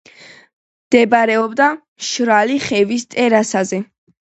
მდებარეობდა მშრალი ხევის ტერასაზე.